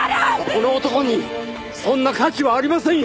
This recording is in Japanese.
この男にそんな価値はありませんよ！